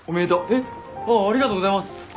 えっありがとうございます。